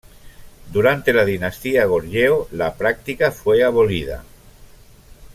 Durante la Dinastía Goryeo, la práctica fue abolida.